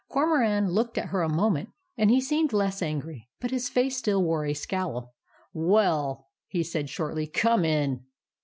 Cormoran looked at her a moment, and he seemed less angry. But his face still wore a scowl. " WELL/' he said shortly, " COME IN."